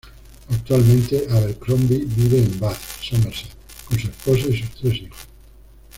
Actualmente Abercrombie vive en Bath, Somerset con su esposa y sus tres hijos.